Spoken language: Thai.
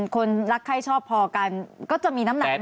คนรักใครชอบพอกันก็จะมีน้ำหนักน้อยนะ